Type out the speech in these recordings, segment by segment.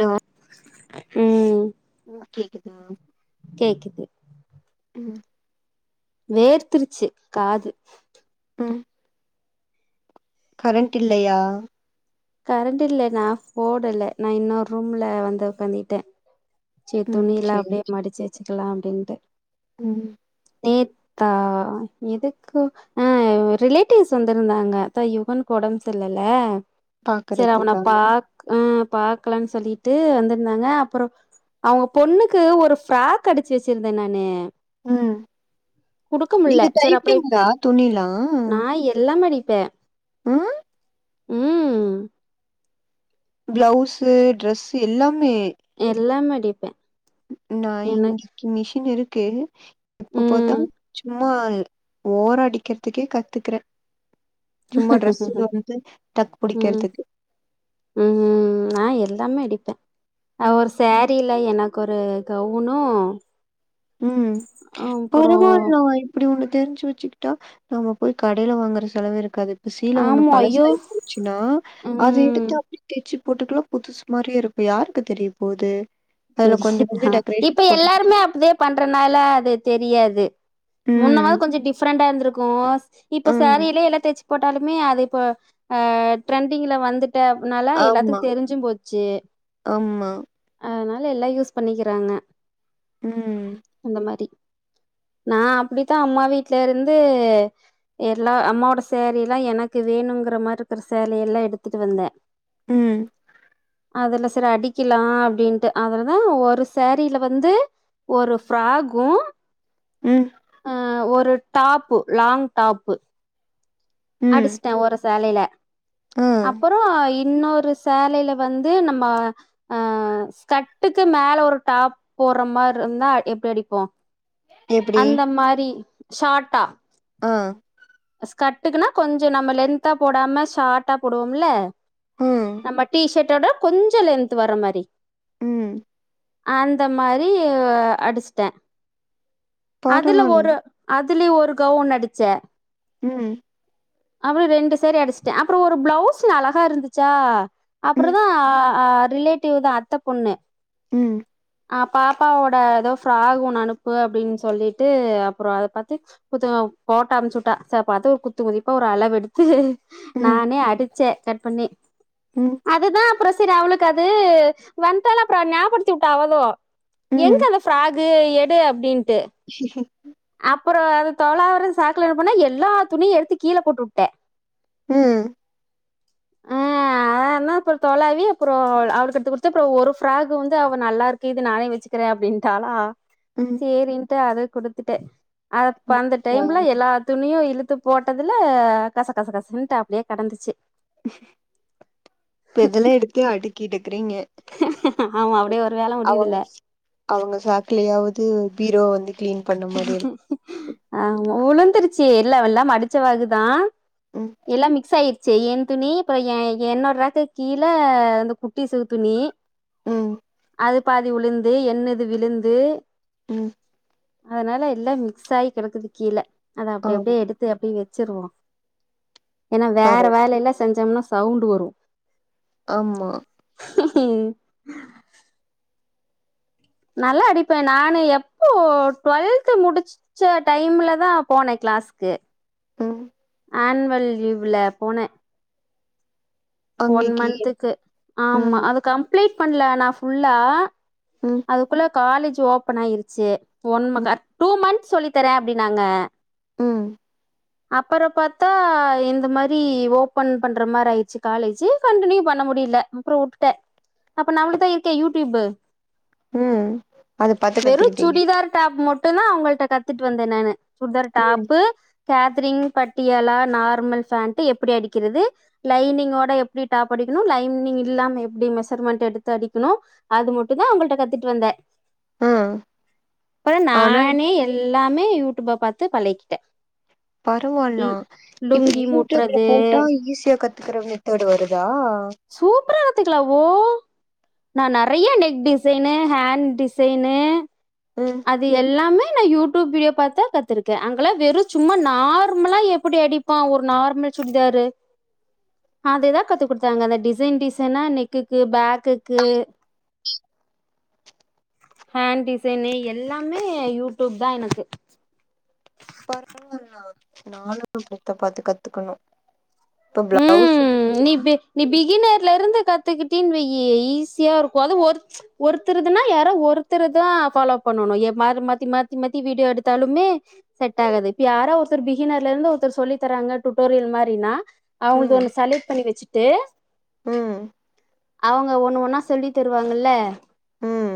Hello ம் ம் கேக்குதா கேக்குது ம் வேர்த்திருச்சு காது ம் கரண்ட் இல்லயா கரண்ட் இல்ல நா போடல நா இன்னொரு ரூம்ல வந்து உக்காந்திட்டே சேர் ம் துணியிலா சேரி அப்டே மடிச்சு வச்சுக்கலா அப்டின்ட்டு ம் நேத்தா எதுக்கு அ ரிலேட்டிவ்ஸ் வந்துருந்தாங்க அதா யுகன் க்கு ஒடம் சர்லல்ல சர் அவன பாக்குறதுக்காக பாக் ஆ பாக்கலனு சொல்லிட்டு வந்திருந்தாங்க அப்புறோ அவுங்க பொண்ணுக்கு ஒரு ஃப்ராக் அடிச்சு வச்சிருந்தே நானு ம் குடுக்க முல்ல நீங்க சேரி அப்றோ தைப்பீங்ளா துணிலா நா எல்லாமே அடிப்பே அ ம் ப்ளவுஸு ட்ரெஸ்ஸு எல்லாமே எல்லாமே அடிப்பே நா எனக் இங்கிக்கு மிஷின் இருக்கு இப்ப பாத்தா சு ம்மா ஓர அடிக்கிறதுக்கே கத்துக்றே சும்மா டிரெஸ்ஸு ம் வந்து டக்கு ம் புடிக்றதுக்கு ம் நா எல்லாமே அடிப்பே ஆ ம் ஒரு சேரில் ல எனக்கு ஒரு கவுனு ம் அப்புறோ பரவால்ல இப்டி ஒண்ணு தெரிஞ்சி வச்சுக்கிட்டா நாம போய் கடைல வாங்கற செலவே இருக்காது ப்ப சீல ஒண்ணு ஆமா ஐயோ பழசாயி போச்சுன்னா அத எடுத் ம் த்து அப்டியே தெச்சி போட்டுக்லா புதுசு மாரி இருக்கு யாருக்கு தெரிய போது அதுல கொஞ்சோ கொஞ்சோ தெரியுதா டெக்கரேஷன் இப்ப போட்டு [inaudible] எல்லாருமே அப்டியே பண்றனால அது தெரியாது முன்னவாது ம். கொஞ்சோ டிஃப்ரெண்டா இருந்திருக்கு இப்போ ம். சேரில எல்லா தெச்சு போட்டாலுமே அது இப்ப ஆ ட்ரெண்டிங்ல வந்துட் ட அனால ஆமா, எல்லாத்துக்கு தெரிஞ்சும் போச்சு ஆமா. அதனா ல்ல எல்லா யூஸ் பண்ணிக்கிறாங்க ம் அந்த மாரி நா அப்டித்தா அம்மா வீட்ல இருந்து எல்லா அம்மாவோட சேரில்லா எனக்கு வேணுங்ற மாரி இருக்ற சேல எல்லா எடுத்துட்டு வந்தே ம் அதுல செரி அடிக்கிலா அப்டின்ட்டு அதுல தா ஒரு சேரில வந்து ஒரு ஃப்ராக்கு ம். ஆ ஒரு டாப்பு லாங் டாப்பு ம். அடுச்ட்டே ஒரு சேலைல ஆ. அப்புறோ இன்னொரு சேலைல வந்து நம்ம ஆ கட்டுக்கு மேல ஒரு டாப் போட்ற மாரி இருந்தா எப்டி அடிப்போ எப்படி? அந்த மாரி ஷாட்டா ஆ ஸ்கட்டுக்குனா கொஞ்சோ நம்ம லென்த்தா போடாம ஷாட்டா போடுவோம்ல ம். ம்ம டீ ஷட்டோட கொஞ்ச லென்த் வர்ற மாரி ம் அந்த மாரி அடிச்ட்டே அதுல பரவால்ல. ஒரு அதுலயு ஒரு கவுன் அடிச்சே ம் அப்பற ரெண்டு சேரி அடிச்ட்டே அப்றோ ஒரு ப்ளவுஸ்ல அழகா இருந்துச்சா அப்புற ம். தா ஆ ஆ ரிலேட்டிவ் தா அத்த பொண்ணு ம். ஆ பாப்பாவோட ஏதோ ஃப்ராக் ஒன்னு அனுப்பு அப்டின் சொல்லிட்டு அப்புறோ அத பாத்து குத்து ஃபோட்டா அமுச்சுட்டா ச பாத்து குத்து மதி அப்ப ஒரு அளவெடுத்து ம். நானே அடிச்சே கட் பண்ணி ம். அதுதா அப்புறோ செரி அவளுக்கு அது வந்தாள அப்றோ ஞாபடுத்தி விட்டா அவளு ம். எங்க ம். அந்த ஃபிராக் கு எடு அப்டின்ட்டு அப்புறோ அத தொலாவுர சாக்குல என்ன பண்ணே எல்லா துணியு எடுத்து கீழ போட்டு விட்டே ம் ஆன்னு அப்புறோ தொலாவி அப்புறோ அவ அவளுக்கு எடுத்து கொடுத்து அப்புறோ ஒரு ஃப்ராக் வந்து அவ நல்லாருக் கு இது நானே வச்சுக்கிறே அப்டின்டாளா ம் சேரின்ட்டு அத கொடுத்துட்ட அத அந்த ம். டைம்ல எல்லா துணியு இழுத்து போட்டதுல கச கச கசன்ட்டு அப்டியே கெடந்துச்சு இப்ப இதெல்லா எடுத்து அடிக்கிட்டுக்கிறீங்க ஆமா அப்டியே ஒரு வேல முடியுதுல அவங்க சாக்லயாவது பீரோ வந்து கிளீன் பண்ண மாரி இருக்கு ஆம உளுந்திருச்சி இல்ல எல்லா மடிச்சவாகுதா ம் எல்லா மிக்ஸ் ஆயி ச்சி என் துணி அப்புறோ ஏ ஏ என்னோட ராக்குக்கு கீழ இந்த குட்டிசுக துணி ம் அது பாதி விழுந்து என்னது விழுந்து ம் அதனால எல்லா மிக்ஸ் ஆயி கெடக்குது கீழ அத அப்டி ஆம் அப்டியே எடுத் து அப்டி வச்சிருவோ ஏன்னா வேற பரவா வேலயெல்லா செஞ்சோம்னா சவுண்டு வரு ஆமா நல்லா அடிப்பே நானு எப்போ டுவெல்த்து முடிச் ச டைம்ல தா போனே கிளாஸ்க்கு ம் ஆன்வல் லீவ்ல போனே ஒன் அன்னைக்கி மன்ந்த்துக்கு ஆமா ம் அது கம்ப்ளீட் பண்ணல நா ஃபுல்லா ம் அதுக்குள்ள காலேஜ் ஓபன் ஆயிருச்சு ஒன் ம ம் கரட் டூ மன்ந்த் சொல்லி தரே அப்டின்னாங்க ம் அப்பறோ பாத்தா இந்த மாரி ஓப்பன் பண்ற மாரி ஆயிச்சு காலேஜி கண்டினியூ பண்ண முடியல அப்புறோ உட்டுட்டே அப்ப நம்ளுக்குதா இருக்கே யூடியூப்பு ம் அத பாத்து வெறு கத்துக்கிட்டீங்க சுடிதார் டாப் மட்டு தா அவங்கள்ட்ட கத்துட்டு வந்தேன் நானு சுடிதார் ம் டாப்பு கேத்தரிங் பட்டியலா நார்மல் ஃபேண்ட்டு எப்டி அடிக்கிறது லைனிங்கோட எப்டி டாப் அடிக்கணு லைனிங் இல்லாம எப்டி மெஷர்மென்ட் எடுத்து அடிக்கணு அது மட்டு தா அவங்கள்ட்ட கத்துட்டு வந்தே ஆ அப்புறோ ஆனா நானே எல்லாமே யூடியூப்ப பாத்து பழகிட்டே பரவால்லா இப்ப லுங்கி யூடியூப்ல முட்றது போட்டா ஈஸியா கத்துக்கற மெத்தட் வருதா சூப்பரா நடத்துக்கலா ஓ நா நெறையா நெக் டிசைனு ஹேண்ட் டிசைனு ல் அது எல்லாமே நா யூ டியூப் வீடியோ பாத்துதா கத்துருக்கே அங்கெல்லா வெறு சும்மா நார்மலா எப்டி அடி அ ஒரு நார்மல் சுடிதாரு அதுதா கத்து குடுத்தாங்க அந்த டிசைன் டிசைனா நெக்குக்கு பேக்குக்கு இ ஹேண்ட் டிசைனு எல்லாமே யூ டியூப் தா எனக்கு [unintelligible] நானும் [inaudible] பாத்து கத்துக்குணு இப்ப பிளவுஸ் நீபே நீ பிகினர்ல இருந்து கத்துக்கிட்டின் வையி ஈஸியா இருக்கு அது ஒரு ஒருத்தருதுனா யாரோ ஒருத்தரு தா ஃபாலோ பண்ணணு ஏ மார் மாத்தி மாத்தி மத்தி வீடியோ எடுத்தாலுமே செட் ஆகாது இப்ப யாரோ ஒருத்தர் பிகினர்ல இருந்து ஒருத்தர் சொல்லித்தர்ராங்க டுட்டோரியல் மாரினா அவங்களுது ம் ஒண்ணு செலட் பண்ணி வச்சுட்டு ம் அவங்க ஒண்ணு ஒன்னா சொல்லி தருவாங்கல ம்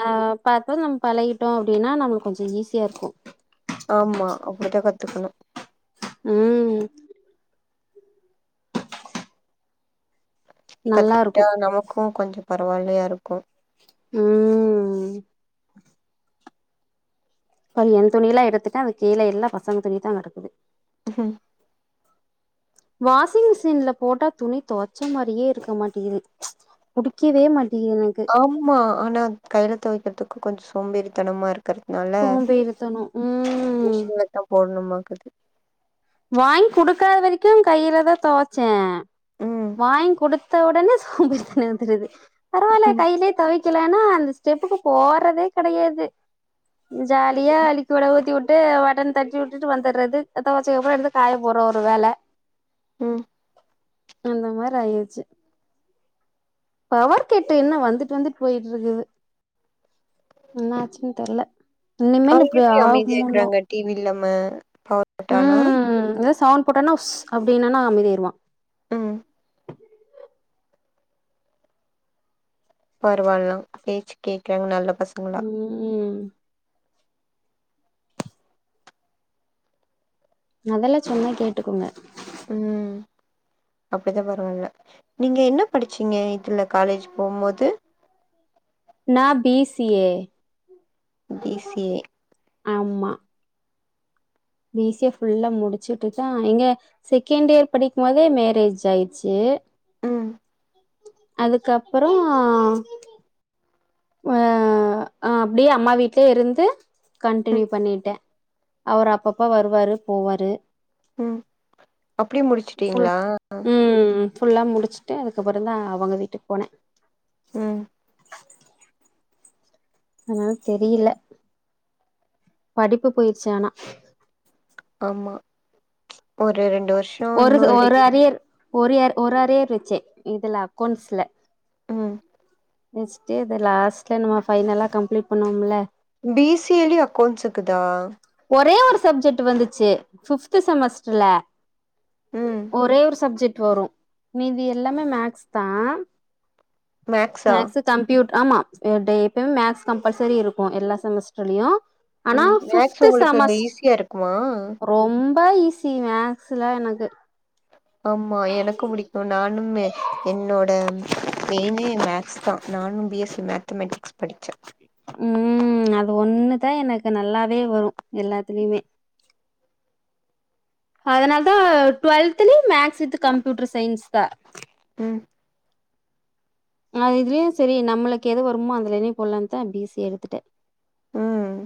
ஆ பாத்து நம்ம பழகிட்டோ அப்டின்னா நம்ளுக்கு கொஞ்சோ ஈஸியா இருக்கு ஆமா அப்டிதா கத்துக்கணு ம் நல்லா இருக்கு கத்துக்கிட்டா நமக்கும் கொஞ்சொ பரவாயில்லையா இருக்கு ம் இ என் துணியில எடுத்துட்ட அது கீழ எல்லா பசங்க துணி தா கிடக்குது ம் வாஷிங் மிஷின்ல போட்டா துணி துவச்ச மாரியே இருக்க மாட்டீங்து புடிக்கவே மாட்டேகிது எனக்கு ஆம்மா ஆனா கையில தொவைக்கிறதுக்கு கொஞ்சொ சோம்பேறித்தனமா இருக்கு இருக்கிறதுனால சோம்பேறித்தனோ ம் மிஷின்லத்தா போடணுமாக்து வாங்கி குடுக்காத வரைக்கும் கையில தா துவச்சே ம். வாங்க் குடு ஒடனே சோம்பேரிதன வந்துடுது பரவால ம். கையிலயே தொவக் லா அந்த ஸ்டெப்புக்கு போறதே கெடையாது ஜாலியா அலிக்கு விட ஊத்தி விட்டு வடன் தட்டி விட்டுட்டு வந்துடுறது தொவச்ச அப்ரோ எடுத்து காய போறோ ஒரு வேல ம் அந்த மாரி ஆய்டுச்சு பவர் கெட்டு் என்ன வந்துட்டு வந்துட்டு போயிட்டு இருக்குது என்னாச்சுன்னு தெர்ல இனிமேல் அவங்க இப்டி எப்டி அமைதியா ஆகுமுன்னு இருக்கிறாங்க? டிவி இல்லாம பவர் கட்டானா? ம் என சவுண்ட் போட்டன உஸ் அப்டின்ன நா அமதியாயிருவா ம். பரவாயில்லாம் உ பேச்சு கேக்குறாங்க நல்ல பசங்களா ம் அதெல்லா சொன்ன கேட்டுக்குங்க ம் அப்டித்தா பரவால்ல நீங்க என்ன படிச்சீங்க இதுல காலேஜ் போம் போது நா B C A B C A ஆமா பீ சி ஏ ஃபுல்லா முடிச்சிட்டு தா எங்க செகண்ட் இயர் படிக்கு போதே மேரேஜ் ஆயிட்ச்சு ம் அதுக்கப்பறோ ஆ அப்டியே அம்மா வீட்லயே இருந்து கண்டினியூ ம். பண்ணிட்டே அவர் அப்பப்ப வருவரு போவாரு ம் அப்டி ஃபுல் முடிச்சுட்டீங்களா ம் ஃபுல்லா முடிச்சுட்டே அதுக்கப்பற தா அவங்க வீட்டுக்கு போனே ம் அதனால தெரியல படிப்பு போயிருச்சு ஆனா ஆமா ஒரு ரெண்டு வருஷ ஒரு ஒரு அரியர் ஒ ரியர் ஒரு அரியர் வச்சே இதுல அக்கௌண்ட்ஸ்ல ம் நெக்ஸ்டு இது லாஸ்ட்டா நம்ம பைஃனலா கம்ப்ளீட் பண்ணுவோம்ல பி சி லி அக்கௌண்ட்ஸ் இருக்குதா ஒரே ஒரு சப்ஜெக்ட் வந்துச்சு ஃபிப்து செமஸ்டர்ல ம் ஒரே ஒரு சப்ஜெக்ட் வரு மீதி எல்லாமே மேக்ஸ் தா மேக்ஸா மேக்ஸ் கம்ப்யூடர் ஆமா எப்பயுமே மேக்ஸ் கம்பல்சரி இருக்கு எல்லா செமஸ்டர்லயு ஆனா ம் மேக்ஸ் ஃபிப்து உங்களுக்கு அங்க செமஸ் ஈஸியா இருக்குமா ரொம்ப ஈஸி மேக்ஸுல்லா எனக்கு ஆமா எனக்கு பிடிக்கு நானும் என்னோட மெயினே மேக்ஸ் தா நானும் பி எஸ் சி மேத்தமெட்டிக்ஸ் படித்தே ம் அது ஒண்ணுதா எனக்கு நல்லாவே வரும் எல்லாத்துலயுமே அதனால தா டுவெல்துலயு மேக்ஸ் வித்து கம்ப்யூட்டர் சயின்ஸ் தா ம் அ இதுலயு சரி நம்மளுக்கு எது வருமோ அதுலயே போடலாம்தே பிசி எடுத்துட்டே ம்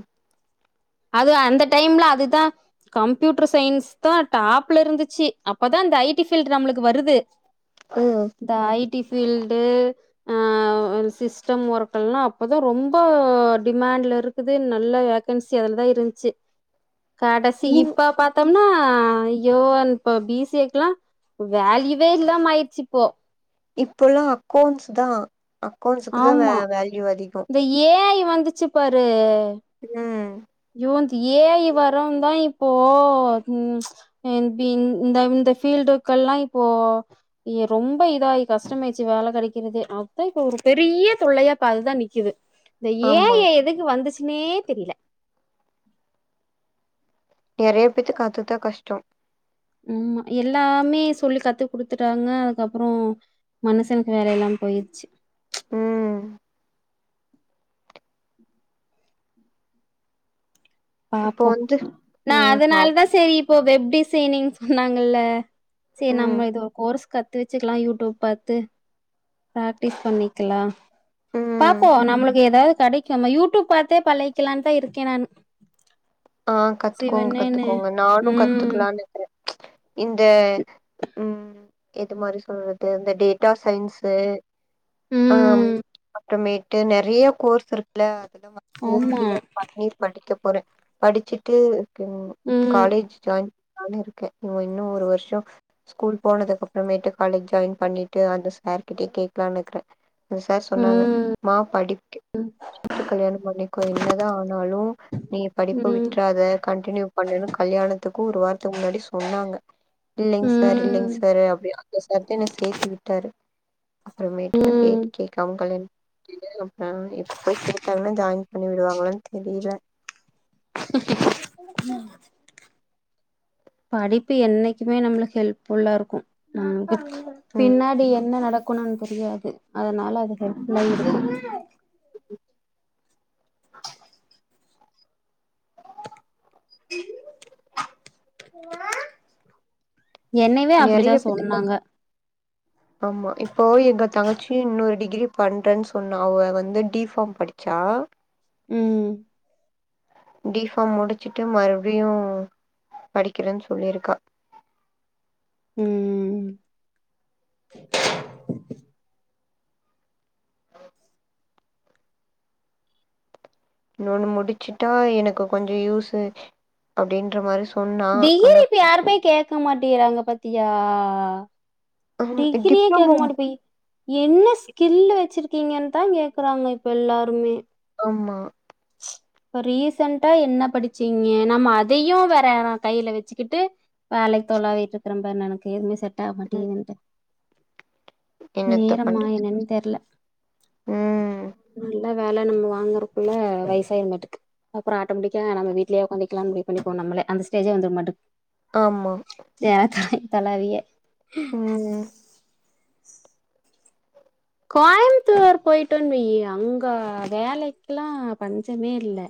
அது அந்த டைம்ல அதுதா கம்ப்யூட்டர் சயின்ஸ் தான் டாப்ல இருந்துச்சு அப்பதான் இந்த ஐடி ஃபீல்டு நம்மளுக்கு வருது ம் இந்த ஐடி ஃபீல்டு ஆ சிஸ்டம் ஒர்க் எல்லாம் அப்பதான் ரொம்ப டிமாண்ட்ல இருக்குது நல்ல வேகன்சி அதுலதான் இருந்துச்சு கடைசி நீங் இப்ப பார்த் பாத்தோம்னா அய்யோ இப்ப பி சி ஏ க்கு ல்லா வேல்யூவே இல்லாம ஆயிடுச்சு இப்ப இப்பல்லா அக்கௌன்ட்ஸ் தா அக்கௌண்ட்ஸுக்கு தா வே ஆமா வேல்யூ அதிக இந்த ஏ ஐ வந்துச்சு ம் அய்யோ இந்த ஏ ஐ வரோ தா இப்போ ம் இந்த இந்த பீல்டுக்கெல்லா இப்போ ரொம்ப இதா ஆய் கஷ்டமயச்சு வேலை கிடைக்கிறதே அதா இப்ப ஒரு பெரிய தொல்லையா பா அதுதா நிக் கிது இந்த ஏ ஐ ஆமா யே எதுக்கு வந்துச்சுன்னே தெரியல நெறைய பேத்துக்கு அது தா கஷ்டோ ஆமா எல்லாமே சொல்லி கத்து குடுத்துட்டாங்க அதுக்கப்பறோ மனுசனுக்கு வேலை இல்லாம போயிடுச்சு ம் இப்போ பாப்போ வந்து நா ம் பாவ் அதனால தா சேரி இப்போ வெப் டிசைனிங் சொன்னாங்கல்ல சேரி ம் நம்ம இது ஒரு கோர்ஸ் கத்து த்து வச்சுக்கால யூடுப் பாத்து பிராக்டிஸ் பண்ணிக்கலா ம் பாப்போ நம்மளுக்கு ஏதாவது கிடைக் நம்ம யூடியூப் பாத்தே பழகிக்கலானு தா இருக்கே நானு ஆ கத்துக்கோங்க சிவனேன்னு கத்துக்கோங்க நானு ம் கத்துக்கலானு இருக்கறே இந்த ம் இது மாரி சொல்றது இந்த டேட்டா சயின்ஸு ஆ ம் அப்புறமேட்டு நெறையா கோர்ஸ் இருக்குல்ல அதெல்லா [unintelligible] ஆமா திகோ பண்ணி படிக்க போறே படிச்சிட்டு ம் காலேஜ் ஜாயின் பண்ணிருக்கே இவ இன்னு ஒரு வர்ஷோ ஸ்கூல் போனதுக்கு அப்பறமேட்டு காலேஜ் ஜாயின் பண்ணிட்டு அந்த சார்கிட்டயே கேக்கலானு இருக்கே அந்த சார் சொன்னாங்க ம் மா படிக்கட்டு கல்யாணோ பண்ணிகோ என்னதா ஆனாலு ப்ப ம் விட்டுறாத கண்டினியூ பண்ணுனு கல்யாணத்துக்கு ஒரு வாரத்துக்கு முன்னாடி சொன்னாங்க இல்லைங்க சார் இல்லைங்க ம் சார் அப்டியே அந்த சார் தா என்ன சேத்தி விட்டாரு அப்பறமேட்டு நா ம் கேட்டு கேட் கம் கல்யாண அப்பறம் எப்ப கேட்டாங்கன்னா ஜாயின் பண்ணி விடுவாங்களானு தெரியில ம் படிப்பு என்னைக்குமே நம்மளுக்கு ஹெல்ப்ஃபுல்லா இருக்கு நம்ப ம் பின்னாடி என்ன நடக் குணோந் தெரியாது அதனால அது ஹெல்ப் ஃபுல்லா இருக்கு என்னையவே அப்டிதா சொன்னாங்க ஆம்மா இப்போ எங்க தங்கச்சி இன்னொரு டிகிரி பண்றேனு சொன்னா அவ வந்து டி ஃபார்ம் படி சா ம் டி ஃபார்ம் முடிச்சுட்டு மறுபடியு படிக்கிறேனு சொல்லியிருக்கா ம் இன்னோன்னு முடிச்சுட்டா எனக்கு கொஞ்சோ யூஸு அப்டின்ற மாரி சொ டிகிரி இப்ப யாருமே கேக்க மாட்டிகிறாங்க பத்தியா ம் டிகிரியே டிப்ளமோ கேக்க மாட்ட போயி என்ன ஸ்கில்லு வச்சிருக்கீங்கன்னு தா கேக்கறாங்க இப்போ எல்லாருமே ஆம்மா ரீசன்டா என்ன படிச்சீங்க நம்ம அதையு வேற கையில வச்சிக்கிட்டு வேலைக்கு தொலாவிட்டு இருக்கிறம்பா எனக்கு எதுமே செட் ஆக ம் மாட்டேங்குதுன்ட்டு என்னத்த நேரமா பண்றது என்னனு தெர்ல ம் நல்ல வேல நம்ம வாங்கறதுகுள்ள வயசாய மாட்டுக்கு அப்பறோ ஆட்டோமேட்டிக்கா நம்ம வீட்லயே உக்காந்துக்கலா முடிவு பண்ணிபோ நம்மளே அந்த ஸ்டேஜே வந்துரு மாட்டுக்கு ஆமா ஏ தாய் தலாவியே ம் ம் கோயிம்த்தூர் போயிட்டோனு வை அங்க வேலைக்கெல்லா பஞ்சமே இல்ல